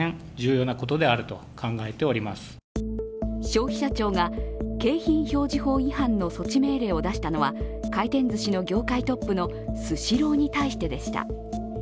消費者庁が、景品表示法違反の措置命令を出したのは回転ずしの業界トップのスシローに対してでした。